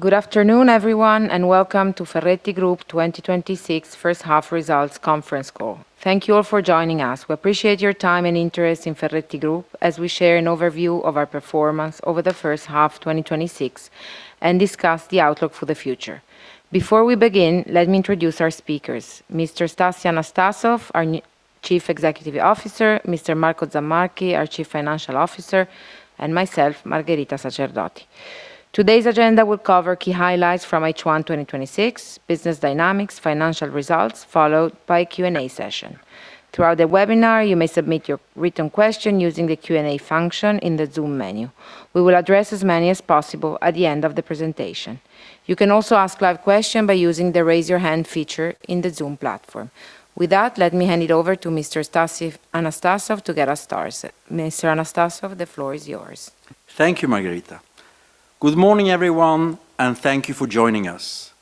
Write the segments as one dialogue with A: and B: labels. A: Good afternoon, everyone, and welcome to Ferretti Group 2026 H1 results conference call. Thank you all for joining us. We appreciate your time and interest in Ferretti Group as we share an overview of our performance over the H1 2026 and discuss the outlook for the future. Before we begin, let me introduce our speakers, Mr. Stassi Anastassov, our new Chief Executive Officer, Mr. Marco Zammarchi, our Chief Financial Officer, and myself, Margherita Sacerdoti. Today's agenda will cover key highlights from H1 2026, business dynamics, financial results, followed by a Q&A session. Throughout the webinar, you may submit your written question using the Q&A function in the Zoom menu. We will address as many as possible at the end of the presentation. You can also ask a live question by using the Raise Your Hand feature on the Zoom platform. With that, let me hand it over to Mr. Stassi Anastassov to get us started. Mr. Anastassov, the floor is yours.
B: Thank you, Margherita. Good morning, everyone, and thank you for joining us.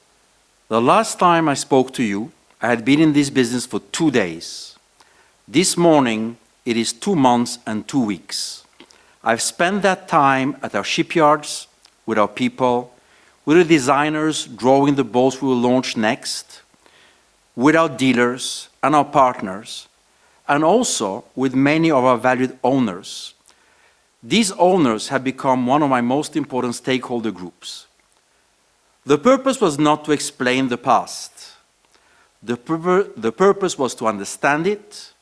B: The last time I spoke to you, I had been in this business for two days. This morning it is two months and two weeks. I've spent that time at our shipyards with our people, with the designers drawing the boats we will launch next, with our dealers and our partners, and also with many of our valued owners. These owners have become one of my most important stakeholder groups. The purpose was not to explain the past. The purpose was to understand it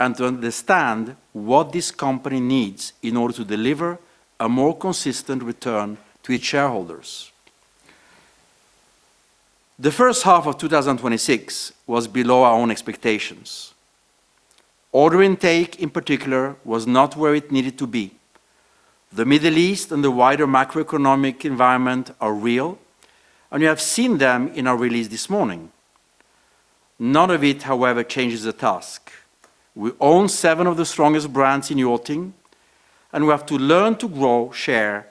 B: and to understand what this company needs in order to deliver a more consistent return to its shareholders. The H1 of 2026 was below our own expectations. Order intake, in particular, was not where it needed to be. The Middle East and the wider macroeconomic environment are real, and you have seen them in our release this morning. None of it, however, changes the task. We own seven of the strongest brands in yachting, and we have to learn to grow, share,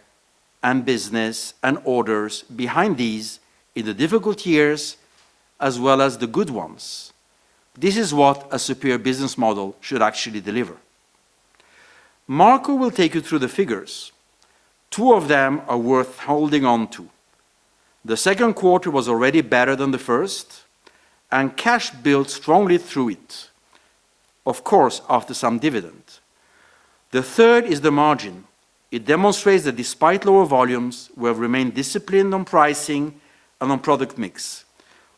B: and business and orders behind these in the difficult years as well as the good ones. This is what a superior business model should actually deliver. Marco will take you through the figures. Two of them are worth holding on to. The second quarter was already better than the first, and cash built strongly through it, of course, after some dividend. The third is the margin. It demonstrates that despite lower volumes, we have remained disciplined on pricing and on product mix.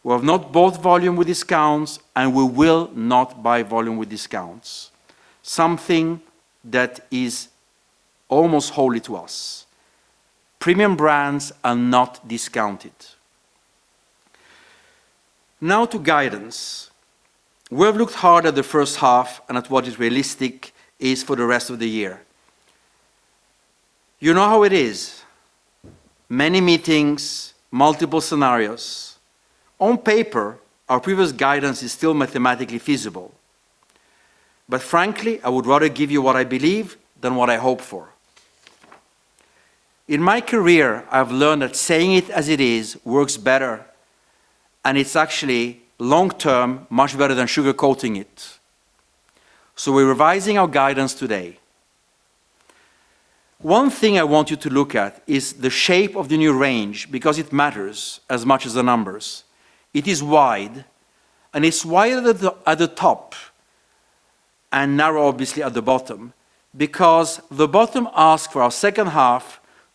B: We have not bought volume with discounts, and we will not buy volume with discounts, something that is almost holy to us. Premium brands are not discounted. Now to guidance. We have looked hard at the H1 and at what is realistic is for the rest of the year. You know how it is. Many meetings, multiple scenarios. On paper, our previous guidance is still mathematically feasible. Frankly, I would rather give you what I believe than what I hope for. In my career, I've learned that saying it as it is works better, and it's actually long-term, much better than sugarcoating it. We're revising our guidance today. One thing I want you to look at is the shape of the new range, because it matters as much as the numbers. It is wide, and it's wider at the top and narrow, obviously, at the bottom, because the bottom asks for our H2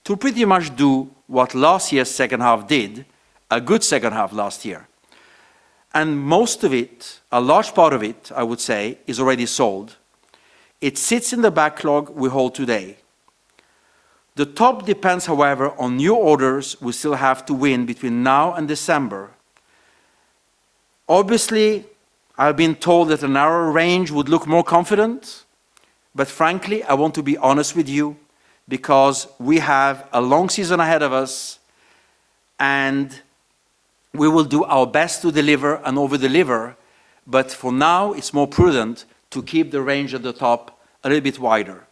B: to pretty much do what last year's H2 did, a good second half last year. Most of it, a large part of it, I would say, is already sold. It sits in the backlog we hold today. The top depends, however, on new orders we still have to win between now and December. Obviously, I've been told that a narrower range would look more confident. Frankly, I want to be honest with you because we have a long season ahead of us and we will do our best to deliver and over-deliver, but for now, it's more prudent to keep the range at the top a little bit wider.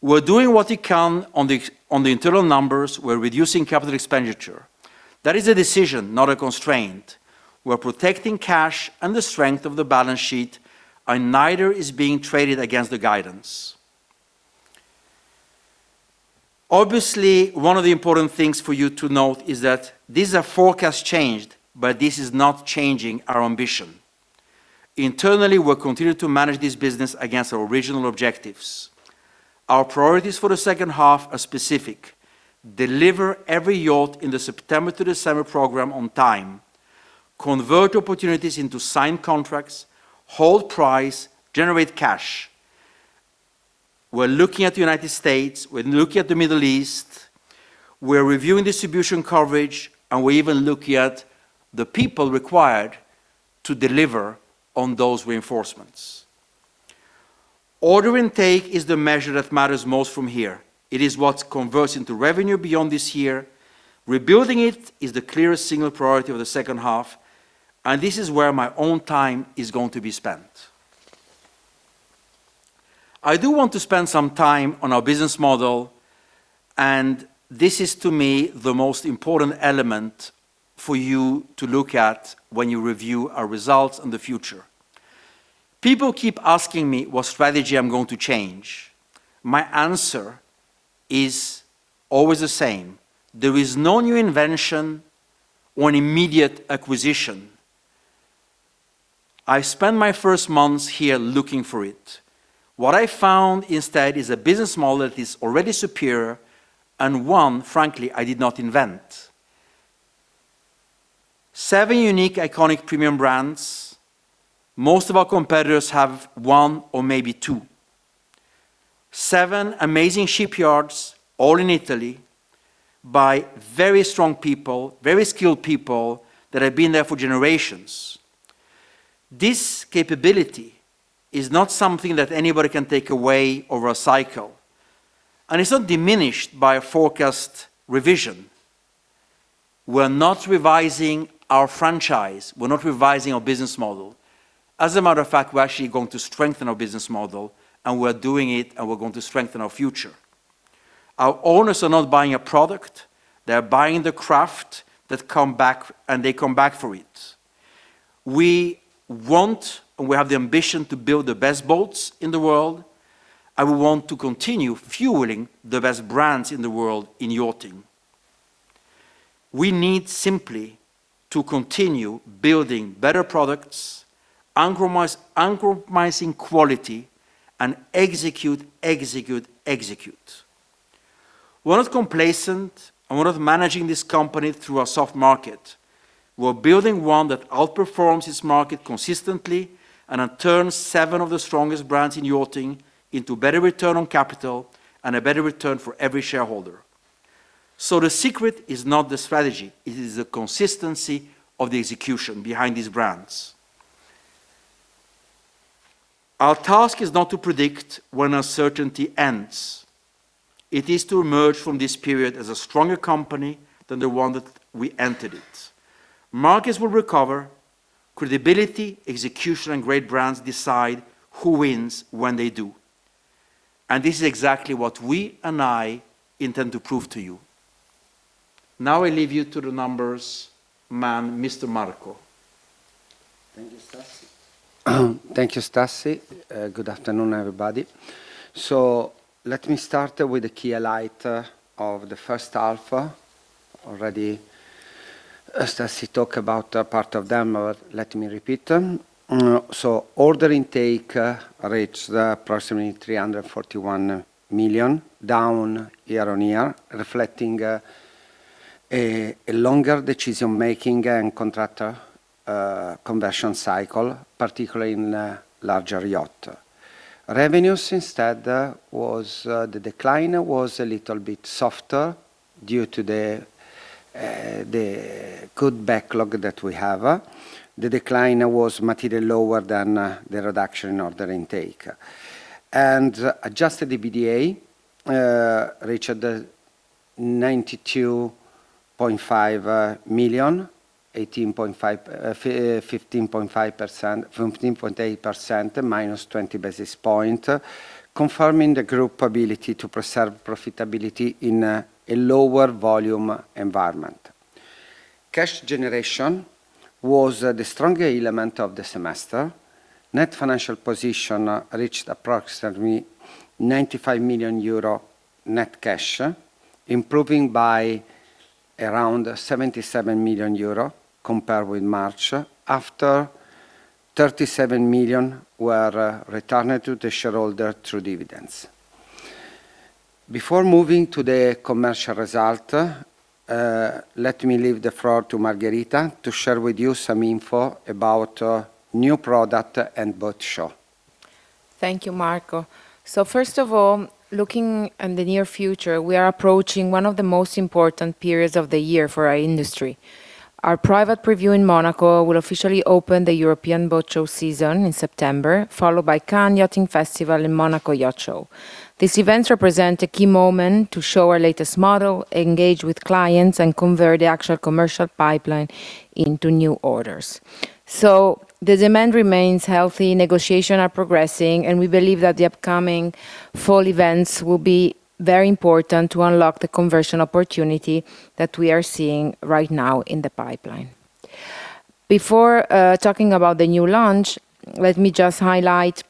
B: We're doing what we can on the internal numbers. We're reducing capital expenditure. That is a decision, not a constraint. We're protecting cash and the strength of the balance sheet. Neither is being traded against the guidance. Obviously, one of the important things for you to note is that these are forecast changed, but this is not changing our ambition. Internally, we'll continue to manage this business against our original objectives. Our priorities for the H2 are specific. Deliver every yacht in the September to December program on time. Convert opportunities into signed contracts. Hold price, generate cash. We're looking at the United States, we're looking at the Middle East, we're reviewing distribution coverage. We're even looking at the people required to deliver on those reinforcements. Order intake is the measure that matters most from here. It is what converts into revenue beyond this year. Rebuilding it is the clearest single priority of the H2. This is where my own time is going to be spent. I do want to spend some time on our business model. This is to me the most important element for you to look at when you review our results in the future. People keep asking me what strategy I'm going to change. My answer is always the same. There is no new invention or an immediate acquisition. I spent my first months here looking for it. What I found instead is a business model that is already superior, and one, frankly, I did not invent. Seven unique iconic premium brands. Most of our competitors have one or maybe two. Seven amazing shipyards, all in Italy, by very strong people, very skilled people, that have been there for generations. This capability is not something that anybody can take away over a cycle, and it's not diminished by a forecast revision. We're not revising our franchise. We're not revising our business model. As a matter of fact, we're actually going to strengthen our business model, and we're doing it, and we're going to strengthen our future. Our owners are not buying a product, they are buying the craft that come back, and they come back for it. We want, and we have the ambition to build the best boats in the world, and we want to continue fueling the best brands in the world in yachting. We need simply to continue building better products, uncompromising quality, and execute. We're not complacent, and we're not managing this company through a soft market. We're building one that outperforms its market consistently and turns seven of the strongest brands in yachting into better return on capital and a better return for every shareholder. The secret is not the strategy. It is the consistency of the execution behind these brands. Our task is not to predict when uncertainty ends. It is to emerge from this period as a stronger company than the one that we entered it. Markets will recover. Credibility, execution, and great brands decide who wins when they do. This is exactly what we and I intend to prove to you. Now I leave you to the numbers man, Mr. Marco.
C: Thank you, Stassi. Thank you, Stassi. Good afternoon, everybody. Let me start with the key highlight of the H1. Already Stassi talk about part of them, but let me repeat them. Order intake reached approximately EUR 341 million, down year-on-year, reflecting a longer decision-making and contractor conversion cycle, particularly in larger yacht. Revenues instead, the decline was a little bit softer due to the good backlog that we have. The decline was materially lower than the reduction in order intake. Adjusted EBITDA reached EUR 92.5 million, 15.8%, -20 basis points, confirming the group ability to preserve profitability in a lower volume environment. Cash generation was the stronger element of the semester. Net financial position reached approximately 95 million euro net cash, improving by around 77 million euro compared with March, after 37 million were returned to the shareholder through dividends. Before moving to the commercial result, let me leave the floor to Margherita to share with you some info about new product and boat show.
A: Thank you, Marco. First of all, looking in the near future, we are approaching one of the most important periods of the year for our industry. Our private preview in Monaco will officially open the European Boat Show season in September, followed by Cannes Yachting Festival and Monaco Yacht Show. These events represent a key moment to show our latest model, engage with clients, and convert the actual commercial pipeline into new orders. The demand remains healthy, negotiation are progressing, and we believe that the upcoming fall events will be very important to unlock the conversion opportunity that we are seeing right now in the pipeline. Before talking about the new launch, let me just highlight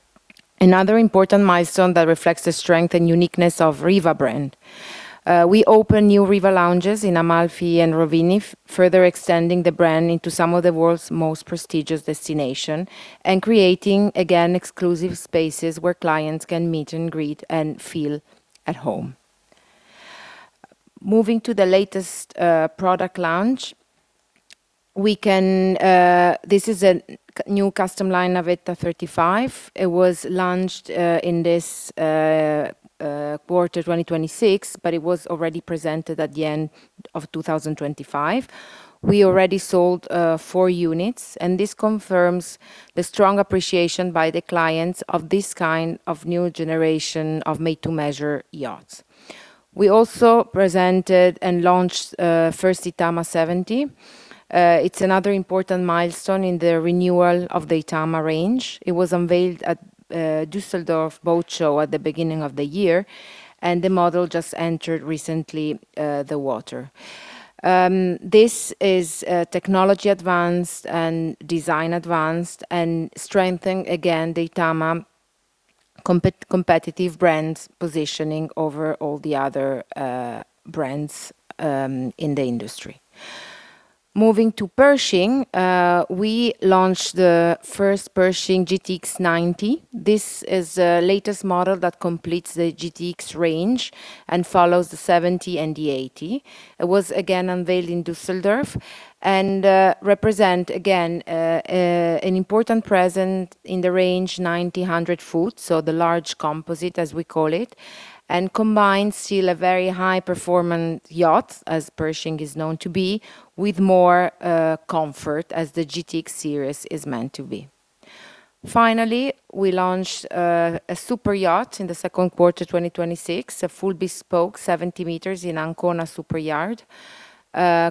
A: another important milestone that reflects the strength and uniqueness of Riva brand. We open new Riva lounges in Amalfi and Rovinj, further extending the brand into some of the world's most prestigious destination and creating, again, exclusive spaces where clients can meet and greet and feel at home. Moving to the latest product launch. This is a new Custom Line, Navetta 35. It was launched in this quarter 2026, but it was already presented at the end of 2025. We already sold four units, and this confirms the strong appreciation by the clients of this kind of new generation of made-to-measure yachts. We also presented and launched first Itama 70. It's another important milestone in the renewal of the Itama range. It was unveiled at Dusseldorf Boat Show at the beginning of the year, and the model just entered recently the water. This is technology advanced and design advanced, and strengthen, again, the Itama competitive brand's positioning over all the other brands in the industry. Moving to Pershing, we launched the first Pershing GTX90. This is the latest model that completes the GTX range and follows the 70 and the 80. It was, again, unveiled in Dusseldorf and represent, again, an important presence in the range 90, 100 foot, so the large composite, as we call it, and combines still a very high performance yacht, as Pershing is known to be, with more comfort, as the GTX series is meant to be. Finally, we launched a superyacht in the second quarter 2026, a full bespoke 70 meters in Ancona Superyacht,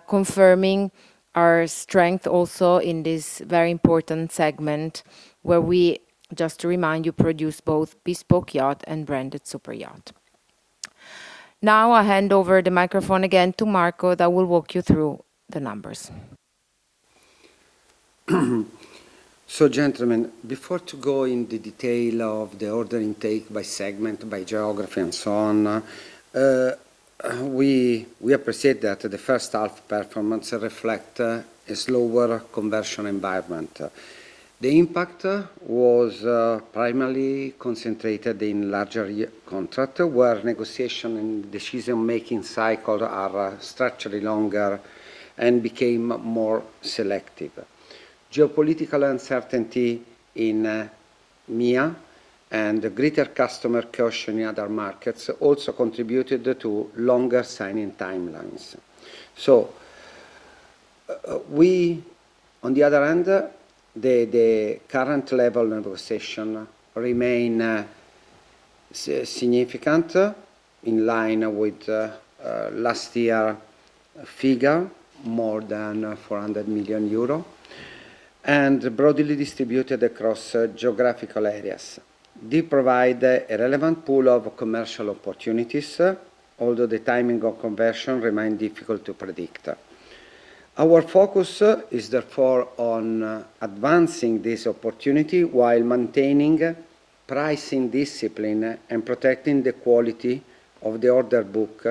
A: confirming our strength also in this very important segment, where we, just to remind you, produce both bespoke yacht and branded superyacht. I hand over the microphone again to Marco, that will walk you through the numbers.
C: Gentlemen, before to go in the detail of the order intake by segment, by geography, and so on, we appreciate that the H1 performance reflect a slower conversion environment. The impact was primarily concentrated in larger contract, where negotiation and decision-making cycle are structurally longer and became more selective. Geopolitical uncertainty in MEA and greater customer caution in other markets also contributed to longer signing timelines. On the other hand, the current level negotiation remain significant, in line with last year figure, more than 400 million euro, and broadly distributed across geographical areas. They provide a relevant pool of commercial opportunities, although the timing of conversion remain difficult to predict. Our focus is therefore on advancing this opportunity while maintaining pricing discipline and protecting the quality of the order book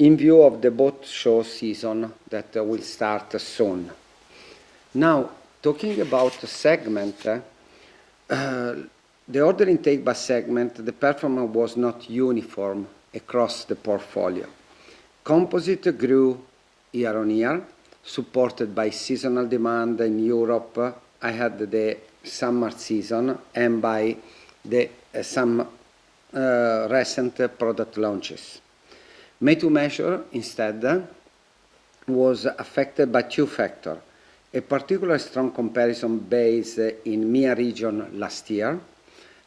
C: in view of the boat show season that will start soon. Talking about the segment. The order intake by segment, the performance was not uniform across the portfolio. Composite grew year-over-year, supported by seasonal demand in Europe, ahead the summer season, and by some recent product launches. Made to measure, instead, was affected by two factor. A particular strong comparison base in MEA region last year,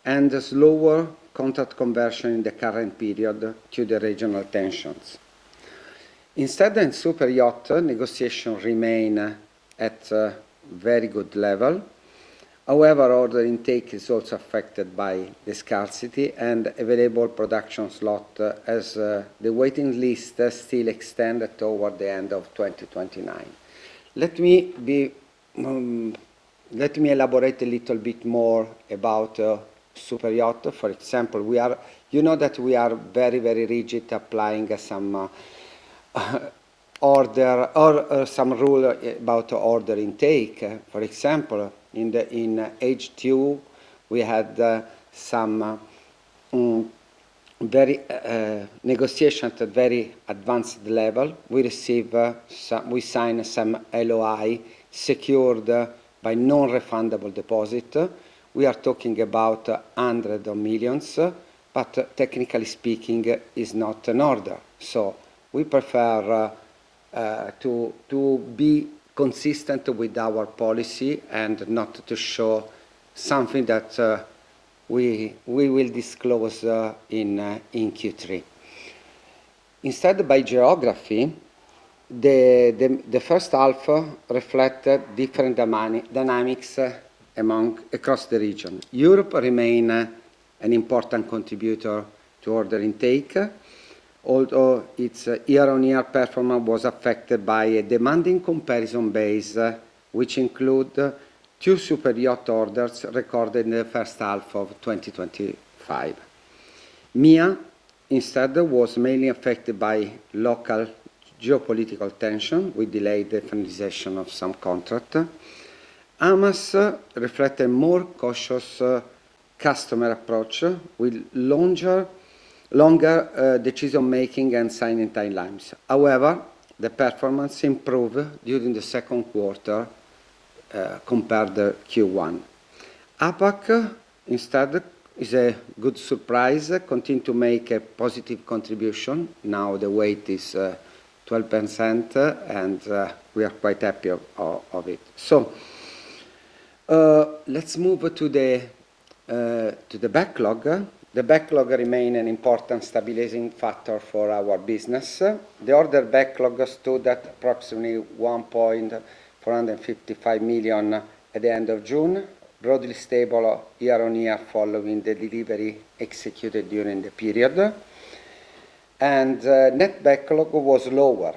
C: and slower contract conversion in the current period due to regional tensions. In superyacht, negotiation remain at a very good level. However, order intake is also affected by the scarcity and available production slot, as the waiting list still extended toward the end of 2029. Let me elaborate a little bit more about superyacht. For example, you know that we are very, very rigid applying some rule about order intake. For example, in H2, we had some negotiation at a very advanced level. We signed some LOI secured by non-refundable deposit. We are talking about hundred of millions, but technically speaking, is not an order. We prefer to be consistent with our policy and not to show something that we will disclose in Q3. By geography, the H1 reflect different dynamics across the region. Europe remain an important contributor to order intake, although its year-over-year performance was affected by a demanding comparison base, which include two superyacht orders recorded in the H1 of 2025. MEA, instead, was mainly affected by local geopolitical tension, which delayed the finalization of some contract. AMAS reflect a more cautious customer approach with longer decision-making and signing timelines. However, the performance improve during the second quarter compared to Q1. APAC, is a good surprise. Continue to make a positive contribution. The weight is 12%, and we are quite happy of it. Let's move to the backlog. The backlog remain an important stabilizing factor for our business. The order backlog stood at approximately 1.455 million at the end of June, broadly stable year-over-year following the delivery executed during the period. Net backlog was lower,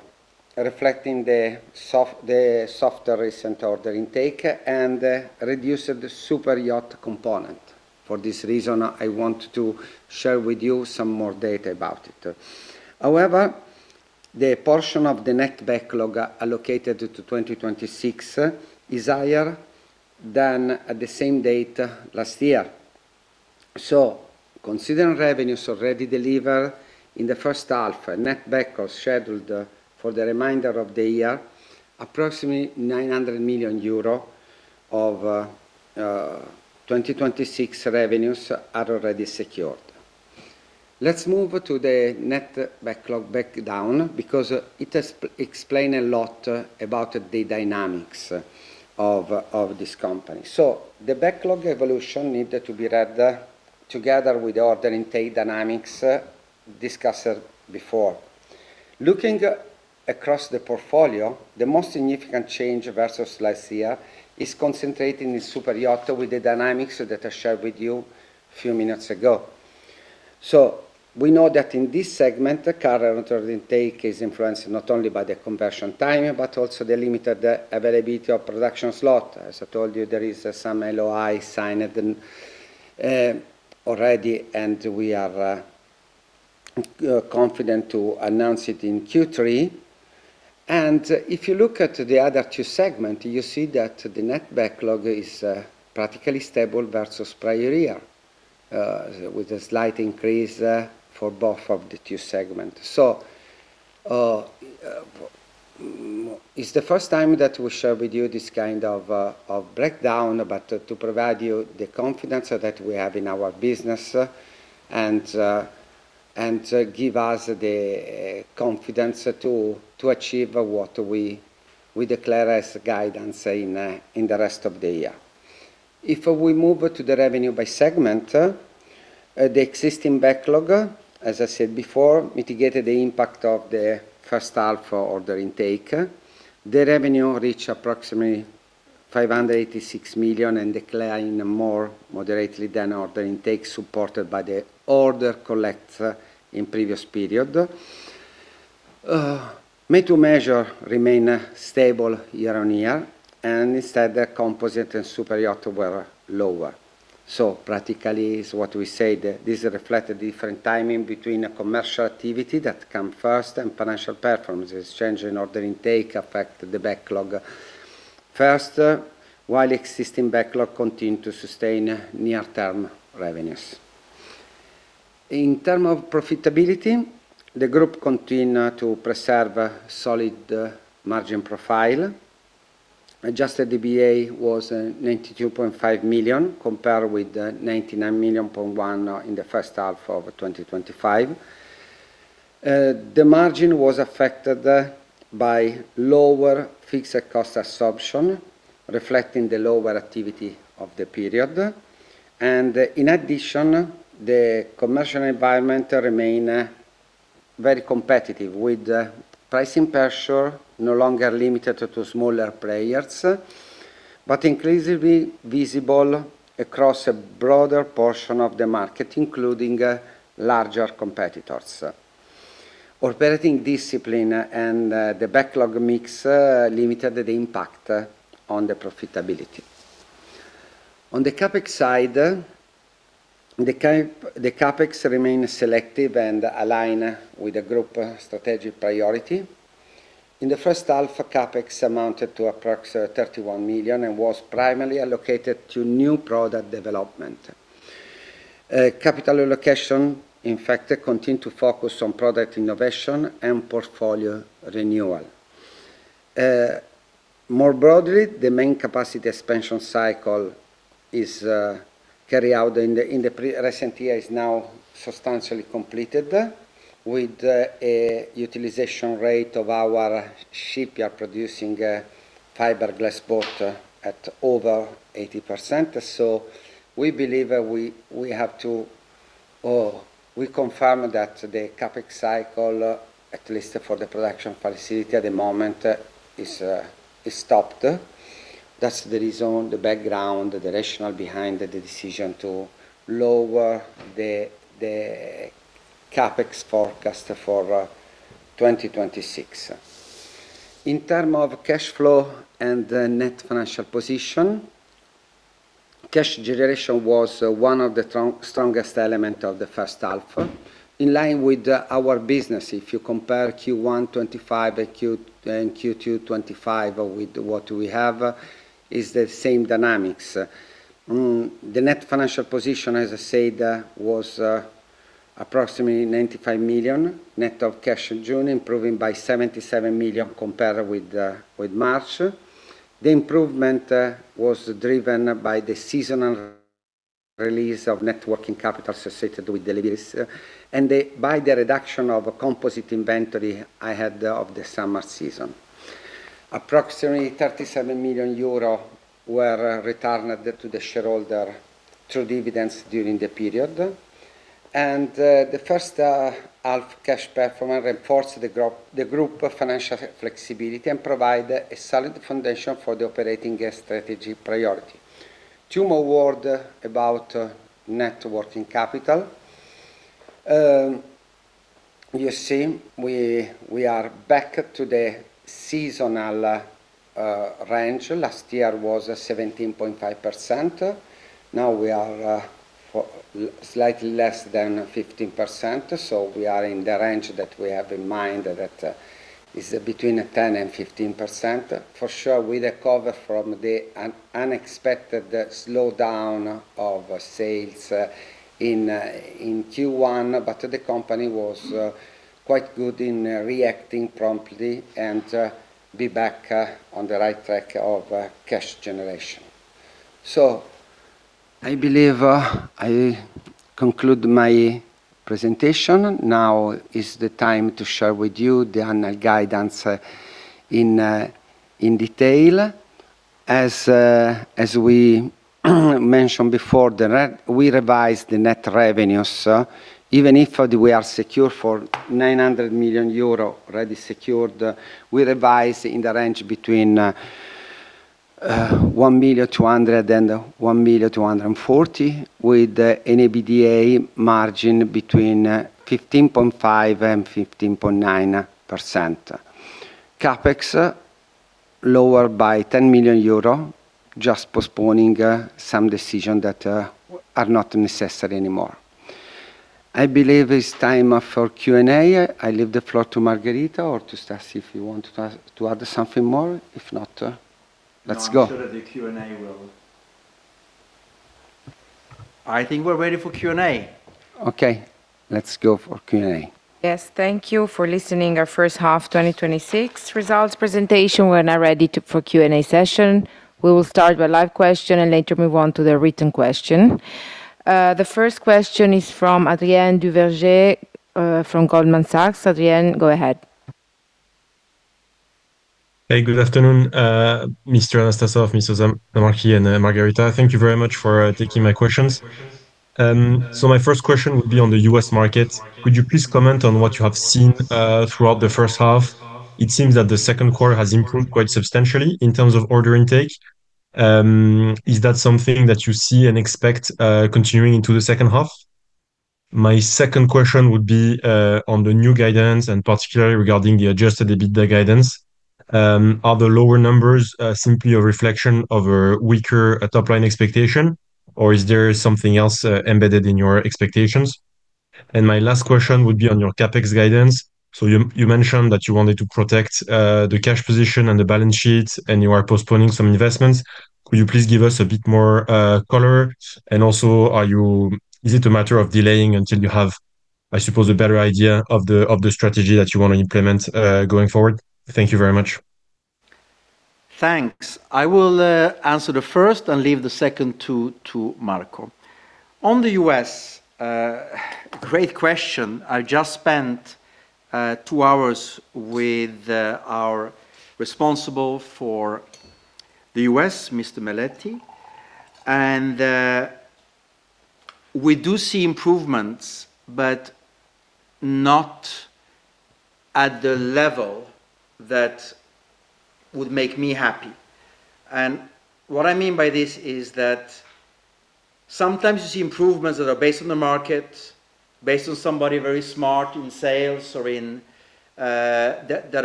C: reflecting the softer recent order intake and reduced superyacht component. For this reason, I want to share with you some more data about it. However, the portion of the net backlog allocated to 2026 is higher than at the same date last year. Considering revenues already delivered in the H1, net backlog scheduled for the remainder of the year, approximately 900 million euro of 2026 revenues are already secured. Let's move to the net backlog breakdown, because it explain a lot about the dynamics of this company. The backlog evolution needed to be read together with the order intake dynamics discussed before. Looking across the portfolio, the most significant change versus last year is concentrating in superyacht with the dynamics that I shared with you a few minutes ago. We know that in this segment, the current order intake is influenced not only by the conversion timing, but also the limited availability of production slot. As I told you, there is some LOI signed already, and we are confident to announce it in Q3. If you look at the other two segment, you see that the net backlog is practically stable versus prior year, with a slight increase for both of the two segment. It's the first time that we share with you this kind of breakdown, but to provide you the confidence that we have in our business and give us the confidence to achieve what we declare as guidance in the rest of the year. If we move to the revenue by segment, the existing backlog, as I said before, mitigated the impact of the H1 order intake. The revenue reached approximately 586 million and decline more moderately than order intake supported by the order collect in previous period. Made to measure remain stable year-on- year. Instead, the composite and superyacht were lower. Practically, is what we said, this reflect a different timing between a commercial activity that come first and financial performance. This change in order intake affect the backlog first, while existing backlog continue to sustain near-term revenues. In term of profitability, the group continue to preserve a solid margin profile. Adjusted EBITDA was 92.5 million, compared with 99.1 million in the H1 of 2025. The margin was affected by lower fixed cost absorption, reflecting the lower activity of the period. In addition, the commercial environment remain very competitive with pricing pressure no longer limited to smaller players, but increasingly visible across a broader portion of the market, including larger competitors. Operating discipline and the backlog mix limited the impact on the profitability. On the CapEx side, CapEx remain selective and align with the group strategic priority. In the H1, CapEx amounted to approx 31 million and was primarily allocated to new product development. Capital allocation, in fact, continue to focus on product innovation and portfolio renewal. More broadly, the main capacity expansion cycle is carry out in the recent year is now substantially completed with a utilization rate of our shipyard producing a fiberglass boat at over 80%. We believe we confirm that the CapEx cycle, at least for the production facility at the moment, is stopped. That's the reason, the background, the rationale behind the decision to lower the CapEx forecast for 2026. In term of cash flow and the net financial position, cash generation was one of the strongest element of the H1. In line with our business, if you compare Q1 2025 and Q2 2025 with what we have is the same dynamics. The net financial position, as I said, was approximately 95 million net of cash in June, improving by 77 million compared with March. The improvement was driven by the seasonal release of net working capital associated with deliveries and by the reduction of composite inventory ahead of the summer season. Approximately 37 million euro were returned to the shareholder through dividends during the period. The H1 cash performance reinforced the group financial flexibility and provide a solid foundation for the operating strategy priority. Two more words about net working capital. You see, we are back to the seasonal range. Last year was 17.5%, now we are slightly less than 15%, so we are in the range that we have in mind that is between 10% and 15%. For sure, we recover from the unexpected slowdown of sales in Q1, but the company was quite good in reacting promptly and be back on the right track of cash generation. I believe I conclude my presentation. Now is the time to share with you the annual guidance in detail. As we mentioned before, we revised the net revenues, even if we are secure for 900 million euro, already secured. We revised in the range between EUR 1.2 billion and 1.24 billion, with an EBITDA margin between 15.5% and 15.9%. CapEx lower by 10 million euro, just postponing some decision that are not necessary anymore. I believe it's time for Q&A. I leave the floor to Margherita or to Stassi if you want to add something more. If not, let's go.
B: No, I'm sure that the Q&A will. I think we're ready for Q&A.
C: Okay. Let's go for Q&A.
A: Yes, thank you for listening our H1 2026 results presentation. We're now ready for Q&A session. We will start with live question and later move on to the written question. The first question is from Adrien Duverger from Goldman Sachs. Adrien, go ahead.
D: Hey, good afternoon, Mr. Anastassov, Mr. Zammarchi, and Margherita. Thank you very much for taking my questions. My first question would be on the U.S. market. Could you please comment on what you have seen throughout the H1? It seems that the second quarter has improved quite substantially in terms of order intake. Is that something that you see and expect continuing into the H2? My second question would be on the new guidance, and particularly regarding the adjusted EBITDA guidance. Are the lower numbers simply a reflection of a weaker top-line expectation, or is there something else embedded in your expectations? My last question would be on your CapEx guidance. You mentioned that you wanted to protect the cash position and the balance sheet, and you are postponing some investments. Could you please give us a bit more color? Also, is it a matter of delaying until you have, I suppose, a better idea of the strategy that you want to implement going forward? Thank you very much.
B: Thanks. I will answer the first and leave the second to Marco. On the U.S., great question. I just spent two hours with our responsible for the U.S., Mr. Mileti, we do see improvements, but not at the level that would make me happy. What I mean by this is that sometimes you see improvements that are based on the market, based on somebody very smart in sales that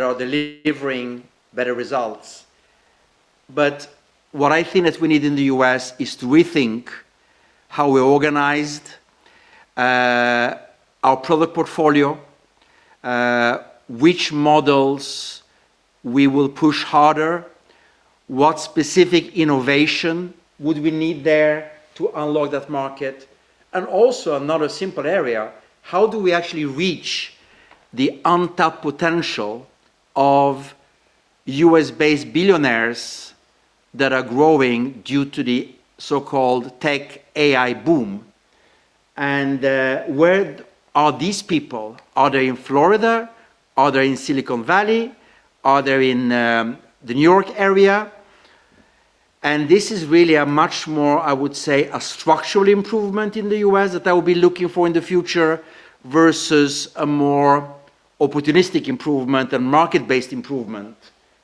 B: are delivering better results. What I think that we need in the U.S. is to rethink how we organized our product portfolio, which models we will push harder, what specific innovation would we need there to unlock that market, and also another simple area, how do we actually reach the untapped potential of U.S.-based billionaires that are growing due to the so-called tech AI boom? Where are these people? Are they in Florida? Are they in Silicon Valley? Are they in the New York area? This is really a much more, I would say, a structural improvement in the U.S. that I will be looking for in the future versus a more opportunistic improvement and market-based improvement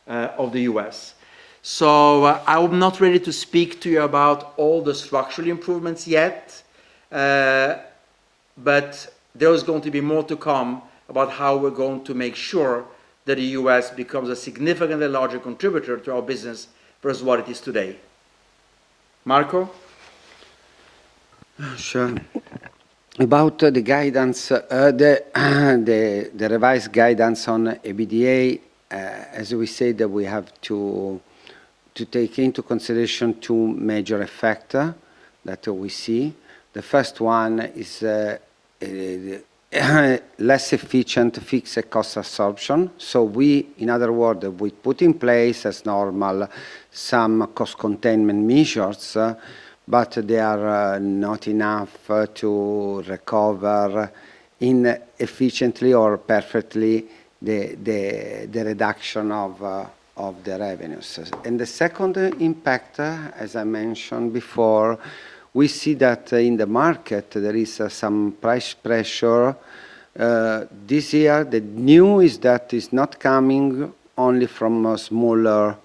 B: of the U.S. I would not really to speak to you about all the structural improvements yet, but there is going to be more to come about how we're going to make sure that the U.S. becomes a significantly larger contributor to our business versus what it is today. Marco?
C: Sure. About the revised guidance on EBITDA, as we said, that we have to take into consideration two major factor that we see. The first one is less efficient fixed cost absorption. We, in other words, we put in place as normal some cost containment measures, but they are not enough to recover in efficiently or perfectly the reduction of the revenues. The second impact, as I mentioned before, we see that in the market there is some price pressure this year. The new is that is not coming only from smaller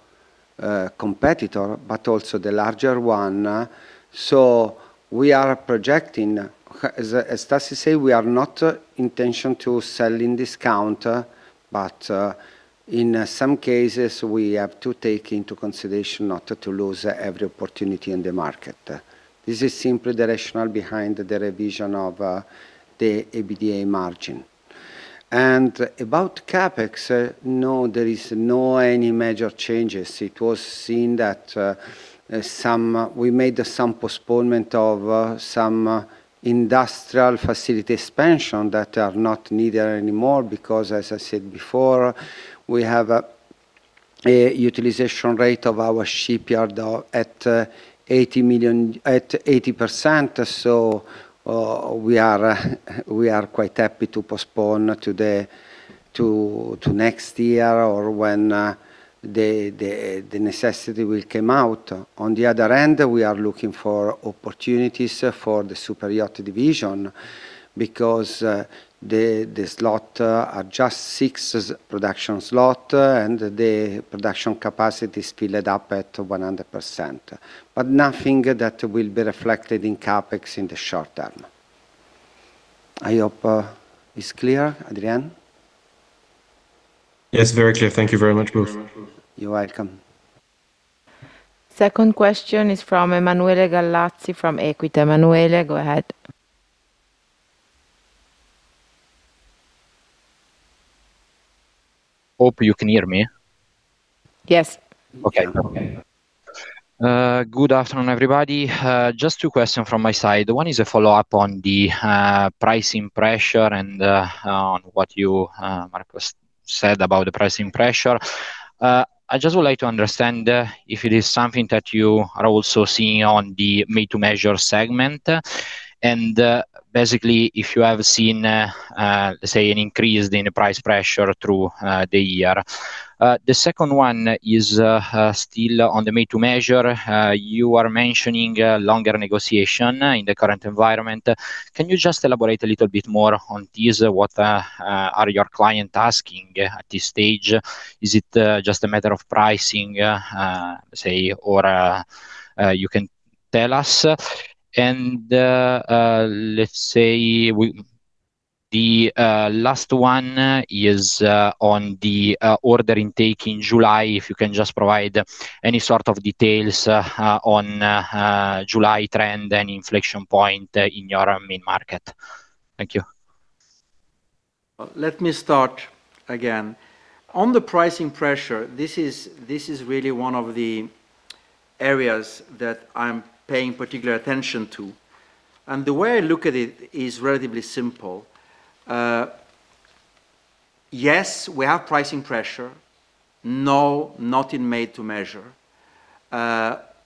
C: competitor, but also the larger one. We are projecting, as Stassi said, we are not intention to sell in discount, but in some cases, we have to take into consideration not to lose every opportunity in the market. This is simply the rationale behind the revision of the EBITDA margin. About CapEx, no, there is no any major changes. It was seen that we made some postponement of some industrial facility expansion that are not needed anymore because, as I said before, we have a utilization rate of our shipyard at 80%. We are quite happy to postpone to next year or when the necessity will come out. On the other end, we are looking for opportunities for the super yacht division because the slot are just six production slot and the production capacity is filled up at 100%. Nothing that will be reflected in CapEx in the short term. I hope it's clear, Adrien?
D: Yes, very clear. Thank you very much, both.
C: You're welcome.
A: Second question is from Emanuele Gallazzi from Equita. Emanuele, go ahead.
E: Hope you can hear me.
A: Yes.
E: Okay. Good afternoon, everybody. Just two questions from my side. One is a follow-up on the pricing pressure and on what you, Marco, said about the pricing pressure. I just would like to understand if it is something that you are also seeing on the made-to-measure segment, and basically, if you have seen, say, an increase in the price pressure through the year. The second one is still on the made-to-measure. You are mentioning longer negotiation in the current environment. Can you just elaborate a little bit more on this? What are your clients asking at this stage? Is it just a matter of pricing, say, or you can tell us? Let's say, the last one is on the order intake in July, if you can just provide any sort of details on July trend and inflection point in your main market. Thank you.
B: Let me start again. On the pricing pressure, this is really one of the areas that I'm paying particular attention to. The way I look at it is relatively simple. Yes, we have pricing pressure. No, not in made to measure.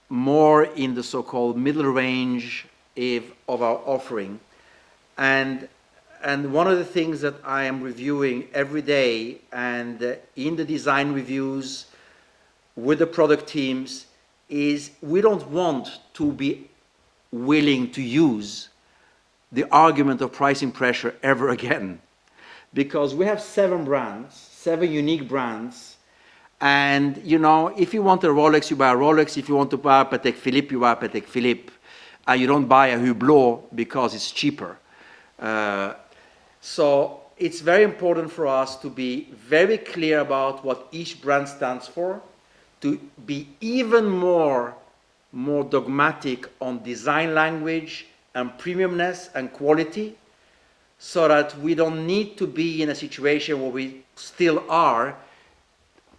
B: More in the so-called middle range of our offering. One of the things that I am reviewing every day and in the design reviews with the product teams is we don't want to be willing to use the argument of pricing pressure ever again. We have seven brands, seven unique brands, and if you want a Rolex, you buy a Rolex. If you want to buy a Patek Philippe, you buy Patek Philippe. You don't buy a Hublot because it's cheaper. It's very important for us to be very clear about what each brand stands for, to be even more dogmatic on design language and premiumness and quality, so that we don't need to be in a situation where we still are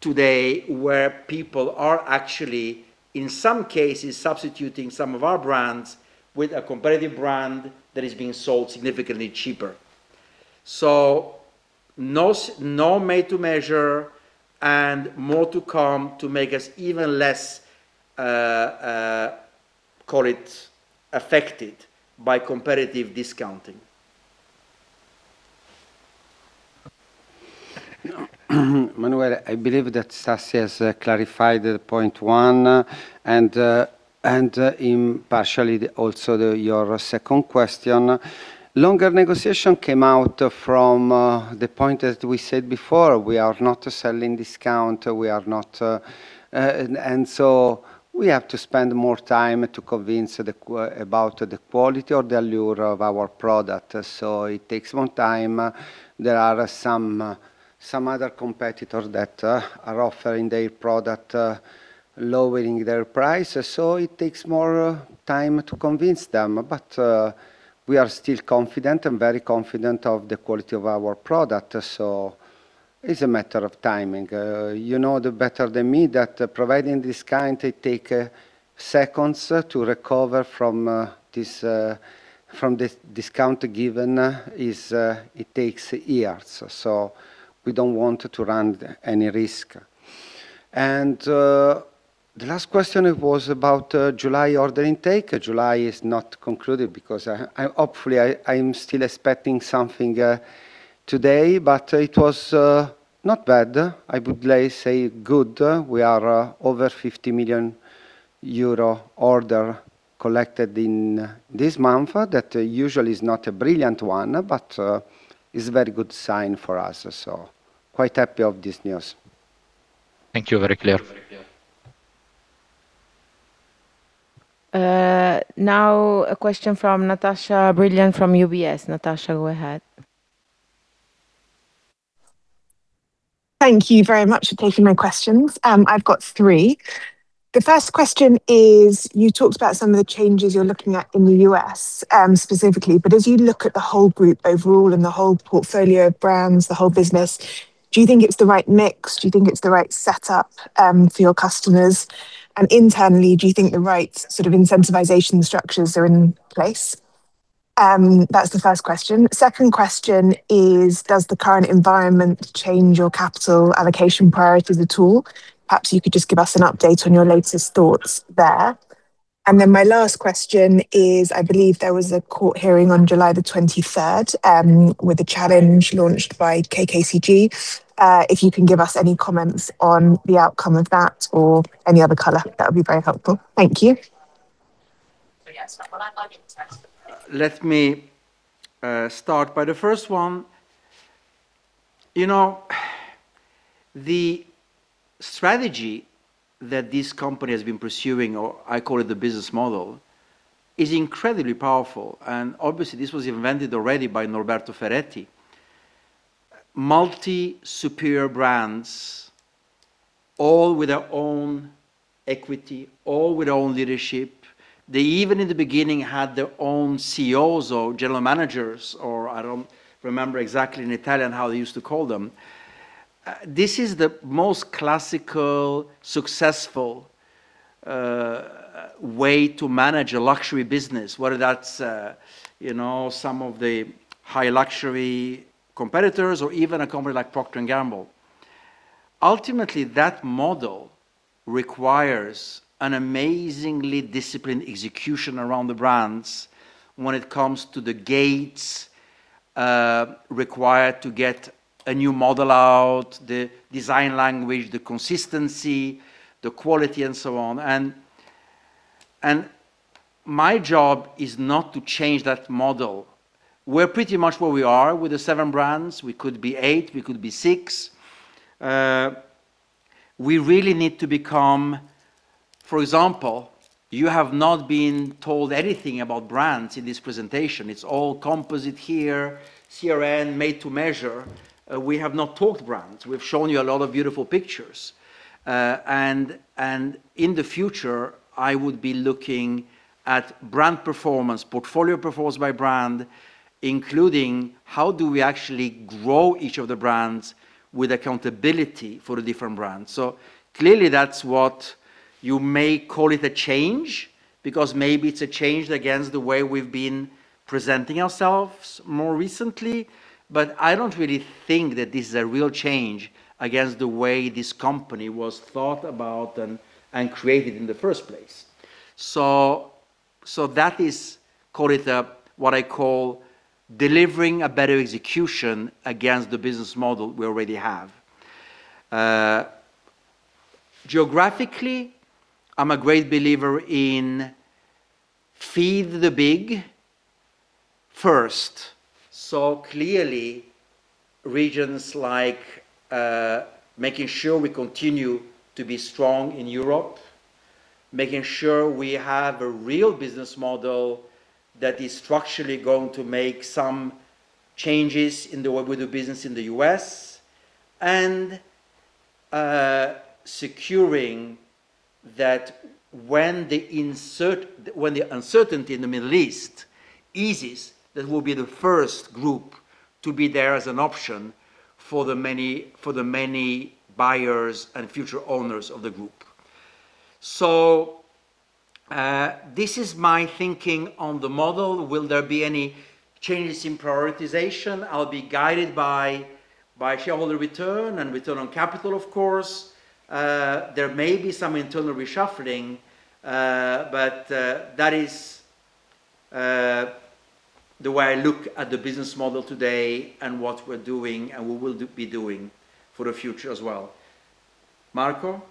B: today, where people are actually, in some cases, substituting some of our brands with a competitive brand that is being sold significantly cheaper. No made to measure and more to come to make us even less, call it affected by competitive discounting.
C: Emanuele, I believe that Stassi has clarified the point one, and partially also your second question. Longer negotiation came out from the point that we said before. We are not selling discount. We have to spend more time to convince about the quality or the allure of our product. It takes more time. There are some other competitors that are offering their product, lowering their prices. It takes more time to convince them. We are still confident and very confident of the quality of our product. It's a matter of timing. You know better than me that providing discount, it take seconds to recover from this discount given, it takes years. We don't want to run any risk. The last question was about July order intake. July is not concluded because hopefully, I'm still expecting something today, but it was not bad. I would say good. We are over 50 million euro order collected in this month that usually is not a brilliant one, but is a very good sign for us. Quite happy of this news.
E: Thank you. Very clear.
A: A question from Natasha Brilliant from UBS. Natasha, go ahead.
F: Thank you very much for taking my questions. I've got three. The first question is, you talked about some of the changes you're looking at in the U.S. specifically, as you look at the whole group overall and the whole portfolio of brands, the whole business, do you think it's the right mix? Do you think it's the right setup for your customers? Internally, do you think the right sort of incentivization structures are in place? That's the first question. Second question is, does the current environment change your capital allocation priorities at all? Perhaps you could just give us an update on your latest thoughts there. My last question is, I believe there was a court hearing on July the 23rd with a challenge launched by KKCG. If you can give us any comments on the outcome of that or any other color, that would be very helpful. Thank you.
B: Let me start by the first one. The strategy that this company has been pursuing, or I call it the business model, is incredibly powerful, and obviously this was invented already by Norberto Ferretti. Multi superior brands, all with their own equity, all with own leadership. They even in the beginning had their own CEOs or general managers, or I don't remember exactly in Italian how they used to call them. This is the most classical, successful way to manage a luxury business, whether that's some of the high luxury competitors or even a company like Procter & Gamble. Ultimately, that model requires an amazingly disciplined execution around the brands when it comes to the gates required to get a new model out, the design language, the consistency, the quality, and so on. My job is not to change that model. We're pretty much where we are with the seven brands. We could be eight, we could be six. We really need to become For example, you have not been told anything about brands in this presentation. It's all composite here, CRN made to measure. We have not talked brands. We've shown you a lot of beautiful pictures. In the future, I would be looking at brand performance, portfolio performance by brand, including how do we actually grow each of the brands with accountability for the different brands. Clearly, that's what you may call it a change, because maybe it's a change against the way we've been presenting ourselves more recently. I don't really think that this is a real change against the way this company was thought about and created in the first place. That is what I call delivering a better execution against the business model we already have. Geographically, I'm a great believer in feed the big first. Clearly, regions like making sure we continue to be strong in Europe, making sure we have a real business model that is structurally going to make some changes in the way we do business in the U.S., and securing that when the uncertainty in the Middle East eases, that we'll be the first group to be there as an option for the many buyers and future owners of the group. This is my thinking on the model. Will there be any changes in prioritization? I'll be guided by shareholder return and return on capital, of course. There may be some internal reshuffling but that is the way I look at the business model today and what we're doing and what we'll be doing for the future as well. Marco?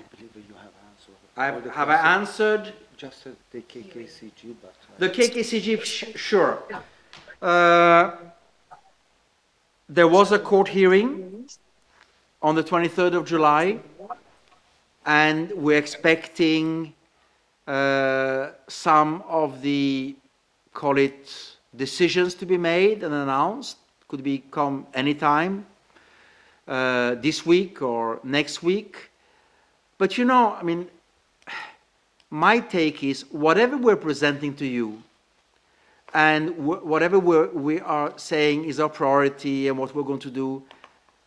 C: I believe that you have answered.
B: Have I answered?
C: Just the KKCG.
B: The KKCG. Sure. There was a court hearing on the 23rd of July, and we're expecting some of the, call it, decisions to be made and announced, could come any time this week or next week. My take is whatever we're presenting to you, and whatever we are saying is our priority and what we're going to do,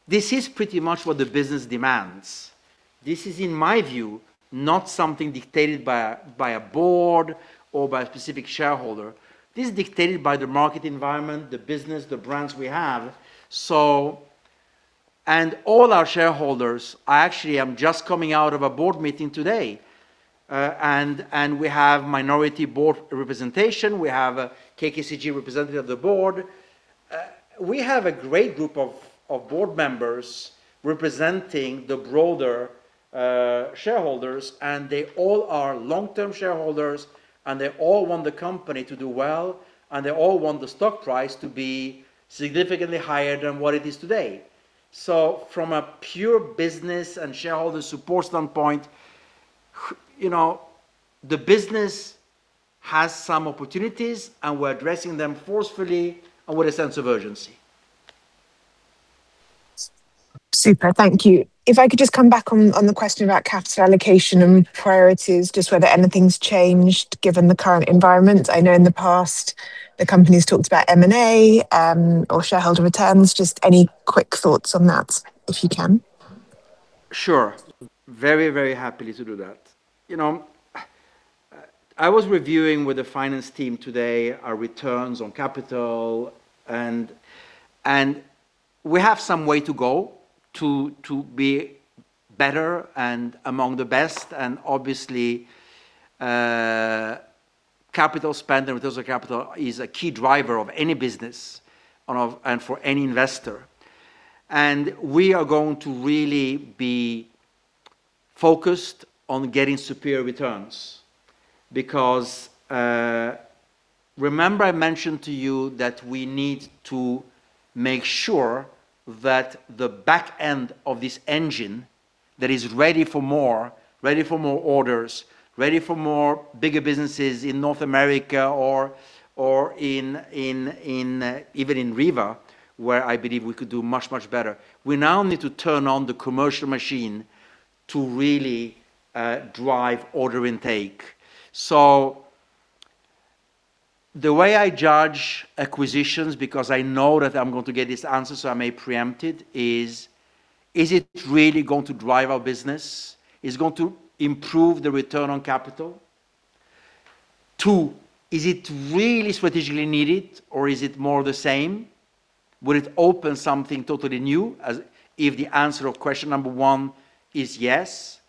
B: this is pretty much what the business demands. This is, in my view, not something dictated by a board or by a specific shareholder. This is dictated by the market environment, the business, the brands we have. All our shareholders, I actually am just coming out of a board meeting today, and we have minority board representation. We have a KKCG representative of the board We have a great group of board members representing the broader shareholders, and they all are long-term shareholders, and they all want the company to do well, and they all want the stock price to be significantly higher than what it is today. From a pure business and shareholder support standpoint, the business has some opportunities, and we're addressing them forcefully and with a sense of urgency.
F: Super, thank you. If I could just come back on the question about capital allocation and priorities, just whether anything's changed given the current environment. I know in the past the company's talked about M&A or shareholder returns. Just any quick thoughts on that, if you can?
B: Sure. Very, very happily to do that. I was reviewing with the finance team today our returns on capital, and we have some way to go to be better and among the best, and obviously, capital spend, return on capital, is a key driver of any business and for any investor. We are going to really be focused on getting superior returns because, remember I mentioned to you that we need to make sure that the back end of this engine that is ready for more orders, ready for more bigger businesses in North America or even in Riva, where I believe we could do much, much better. We now need to turn on the commercial machine to really drive order intake. The way I judge acquisitions, because I know that I'm going to get this answer, so I may preempt it is, is it really going to drive our business? Is it going to improve the return on capital? Two, is it really strategically needed, or is it more the same? Will it open something totally new as if the answer of question number one is yes?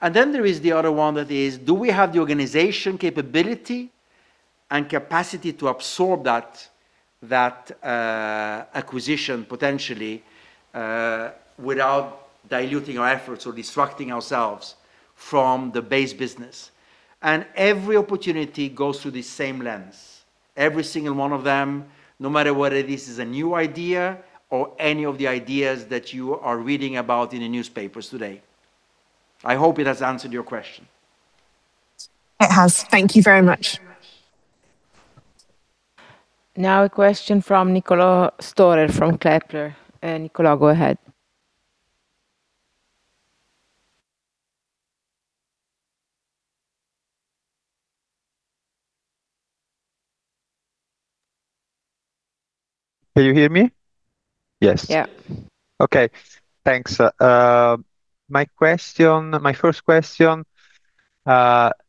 B: There is the other one that is, do we have the organization capability and capacity to absorb that acquisition potentially, without diluting our efforts or distracting ourselves from the base business? Every opportunity goes through the same lens. Every single one of them, no matter whether this is a new idea or any of the ideas that you are reading about in the newspapers today. I hope it has answered your question.
F: It has. Thank you very much.
A: A question from Niccolò Storer from Kepler. Niccolò, go ahead.
G: Can you hear me?
B: Yes.
A: Yeah.
G: Okay. Thanks. My first question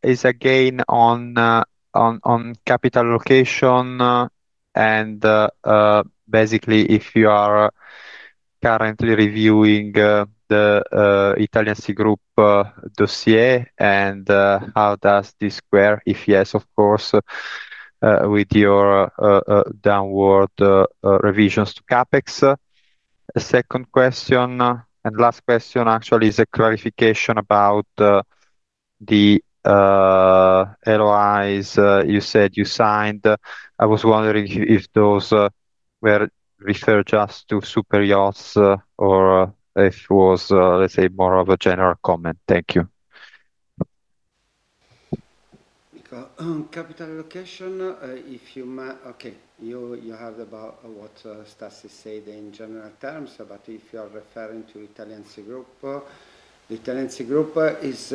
G: is again on capital allocation and basically if you are currently reviewing The Italian Sea Group dossier, how does this square, if yes, of course, with your downward revisions to CapEx? Second question and last question actually is a clarification about the LOIs you said you signed. I was wondering if those were referred just to superyachts or if it was, let's say, more of a general comment. Thank you.
C: Niccolò, on capital allocation, okay, you heard about what Stassi said in general terms. If you are referring to The Italian Sea Group, The Italian Sea Group has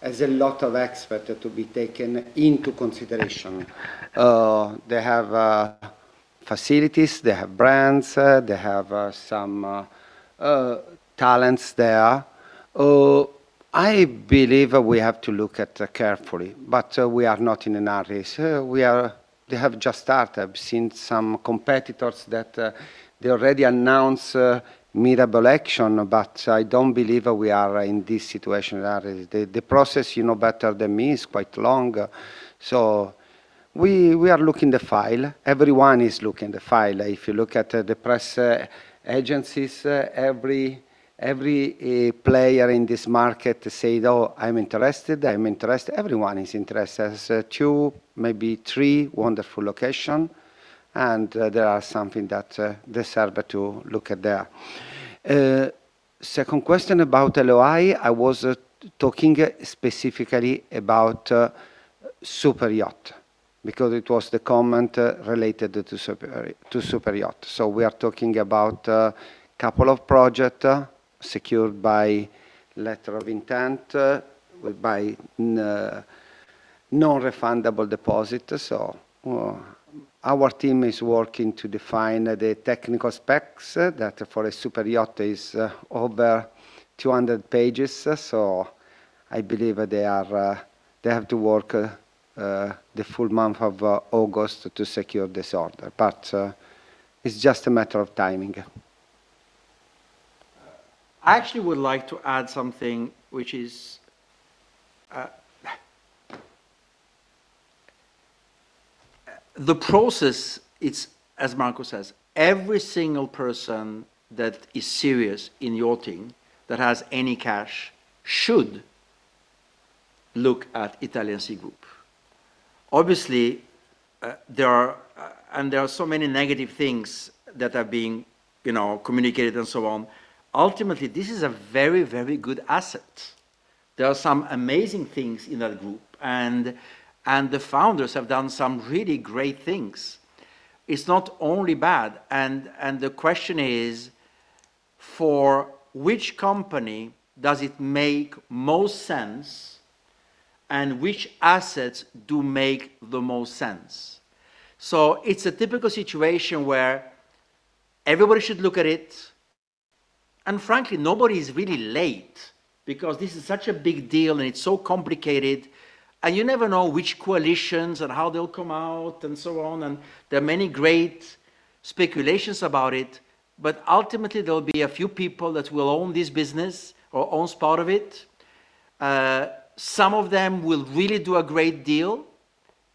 C: a lot of assets to be taken into consideration. They have facilities, they have brands, they have some talents there. I believe we have to look at it carefully, but we are not in a hurry. They have just started. I've seen some competitors that they already announced a notable action, but I don't believe we are in this situation. The process, you know better than me, is quite long. We are looking the file. Everyone is looking the file. If you look at the press agencies, every player in this market say, "Oh, I'm interested." Everyone is interested. There are two, maybe three wonderful locations. There are some things that deserve to look at there. Second question about LOI.
B: I was talking specifically about superyacht because it was the comment related to superyacht. We are talking about a couple of projects secured by letter of intent, by non-refundable deposit. Our team is working to define the technical specs that for a superyacht is over 200 pages, so I believe they have to work the full month of August to secure this order. It's just a matter of timing. I actually would like to add something. The process, as Marco says, every single person that is serious in yachting that has any cash should look at The Italian Sea Group. Obviously, there are so many negative things that are being communicated and so on. Ultimately, this is a very, very good asset. There are some amazing things in that group, and the founders have done some really great things. It's not only bad. The question is, for which company does it make most sense, and which assets do make the most sense? It's a typical situation where everybody should look at it, and frankly, nobody is really late because this is such a big deal, and it's so complicated, and you never know which coalitions and how they'll come out and so on, and there are many great speculations about it. Ultimately, there'll be a few people that will own this business or own part of it. Some of them will really do a great deal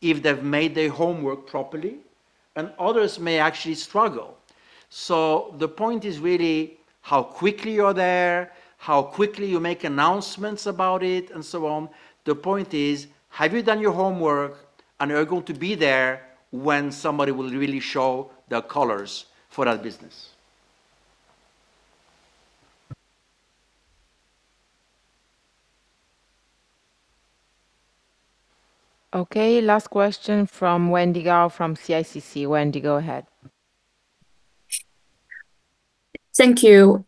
B: if they've made their homework properly, and others may actually struggle. The point is really how quickly you're there, how quickly you make announcements about it, and so on. The point is, have you done your homework, and are you going to be there when somebody will really show their colors for that business?
A: Okay, last question from Yawen Gao from CICC. Yawen, go ahead.
H: Thank you.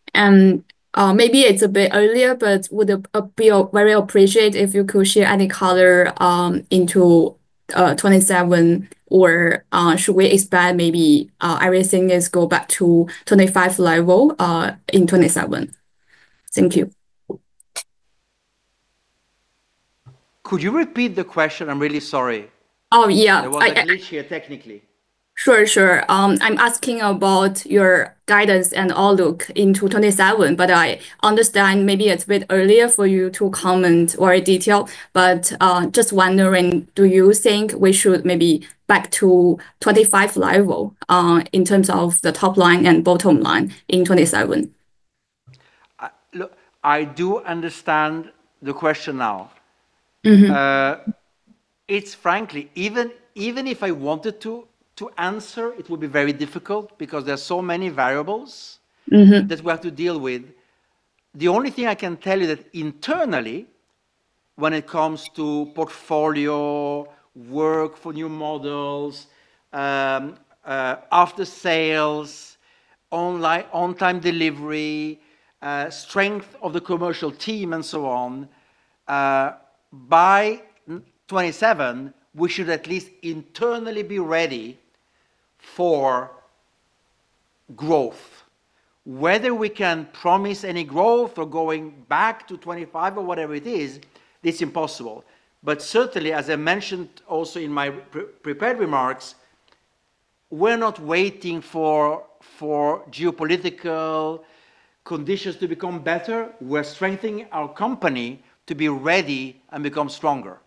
H: Maybe it's a bit earlier, but would be very appreciate if you could share any color into 2027, or should we expect maybe everything is go back to 2025 level in 2027? Thank you.
B: Could you repeat the question? I'm really sorry.
H: Oh, yeah.
B: There was a glitch here technically.
H: Sure. I am asking about your guidance and outlook into 2027, I understand maybe it is a bit earlier for you to comment or a detail, just wondering, do you think we should maybe back to 2025 level in terms of the top line and bottom line in 2027?
B: Look, I do understand the question now. It is frankly, even if I wanted to answer, it would be very difficult because there are so many variables that we have to deal with. The only thing I can tell you that internally, when it comes to portfolio, work for new models, after sales, on-time delivery, strength of the commercial team, and so on, by 2027, we should at least internally be ready for growth. Whether we can promise any growth or going back to 2025 or whatever it is, it is impossible. Certainly, as I mentioned also in my prepared remarks, we are not waiting for geopolitical conditions to become better. We are strengthening our company to be ready and become stronger.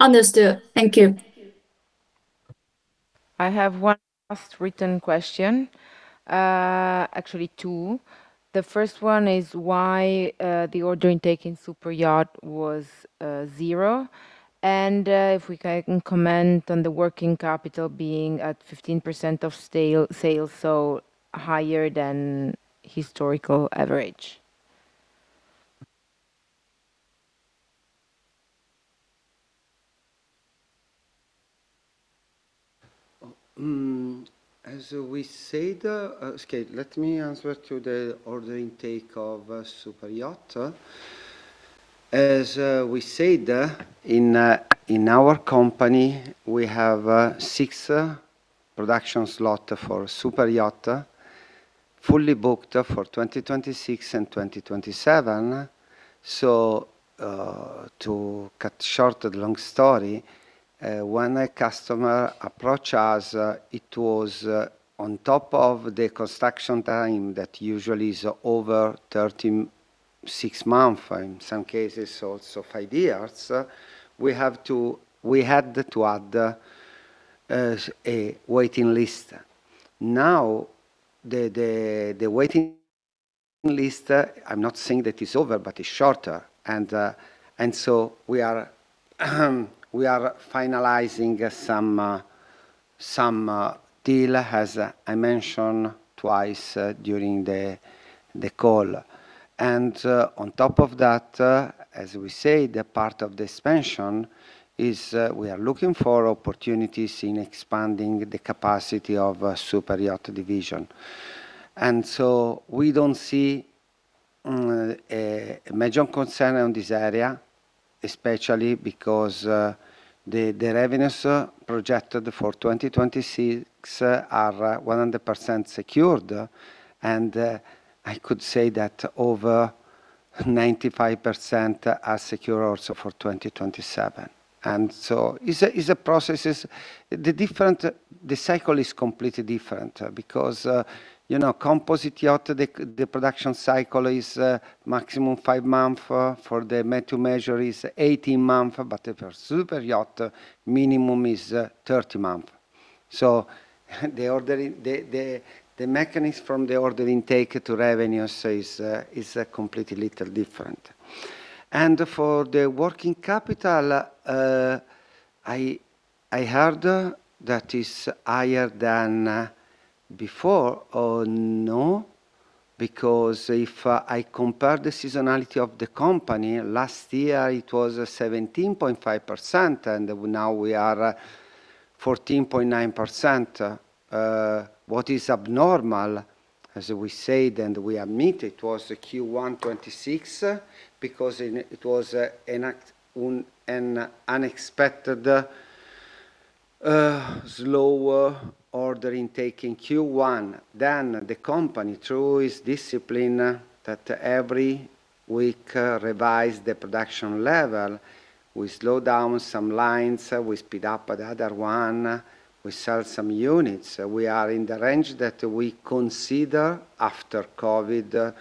H: Understood. Thank you.
A: I have one last written question. Actually, two. The first one is why the order intake in superyacht was zero. If we can comment on the working capital being at 15% of sales, so higher than historical average.
C: Okay, let me answer to the order intake of superyacht. In our company, we have six production slots for superyacht, fully booked for 2026 and 2027. To cut short the long story, when a customer approach us, it was on top of the construction time that usually is over 36 months, in some cases, also five years, we had to add a waiting list. The waiting list, I am not saying that it is over, but it is shorter. We are finalizing some deal, as I mentioned twice during the call. On top of that, as we said, the part of the expansion is we are looking for opportunities in expanding the capacity of superyacht division. We don't see a major concern on this area, especially because the revenues projected for 2026 are 100% secured. I could say that over 95% are secure also for 2027. It's a process. The cycle is completely different because composite yacht, the production cycle is maximum five months. For the made-to-measure, it's 18 months. For superyacht, minimum is 30 months. The mechanism from the order intake to revenues is completely little different. For the working capital, I heard that is higher than before or no, because if I compare the seasonality of the company, last year it was 17.5%, and now we are 14.9%. What is abnormal, as we said, and we admit it, was the Q1 2026, because it was an unexpected slow order intake in Q1. The company, through its discipline, that every week revise the production level. We slow down some lines, we speed up the other one, we sell some units. We are in the range that we consider, after COVID,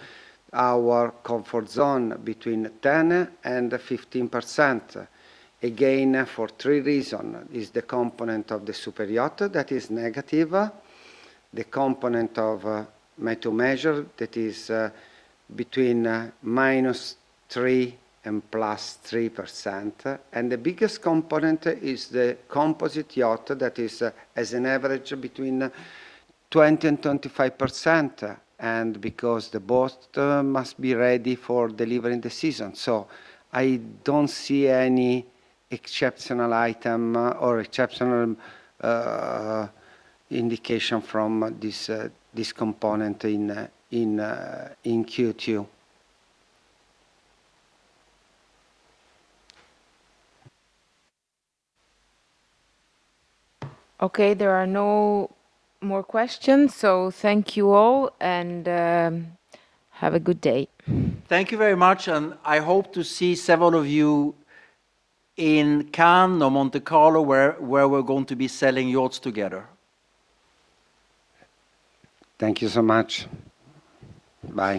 C: our comfort zone between 10% and 15%. Again, for three reason. It's the component of the superyacht that is negative, the component of made-to-measure that is between -3% and +3%, and the biggest component is the composite yacht that is as an average between 20% and 25%, and because the boat must be ready for delivery in the season. I don't see any exceptional item or exceptional indication from this component in Q2.
A: Okay, there are no more questions. Thank you all. Have a good day.
B: Thank you very much. I hope to see several of you in Cannes or Monte Carlo, where we're going to be selling yachts together.
C: Thank you so much. Bye